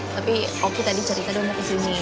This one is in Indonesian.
tapi opsi tadi cerita dong mau ke sini